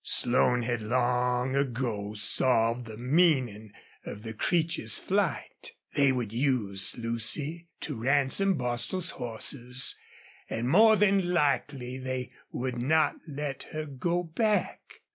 Slone had long ago solved the meaning of the Creeches' flight. They would use Lucy to ransom Bostil's horses, and more than likely they would not let her go back.